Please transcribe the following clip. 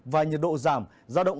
và nhiệt độ giảm ra động